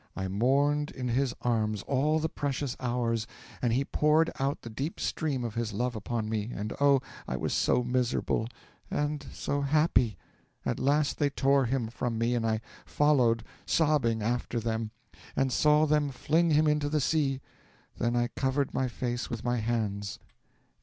I mourned in his arms all the precious hours, and he poured out the deep stream of his love upon me, and oh, I was so miserable and so happy! At last, they tore him from me, and I followed sobbing after them, and saw them fling him into the sea then I covered my face with my hands.